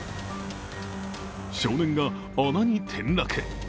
少年が穴に転落。